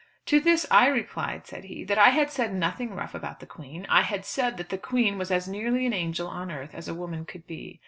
"To this I replied," said he, "that I had said nothing rough about the Queen. I had said that the Queen was as nearly an angel on earth as a woman could be.